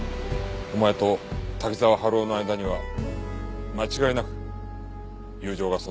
お前と滝沢春夫の間には間違いなく友情が存在した。